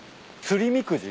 釣りみくじ。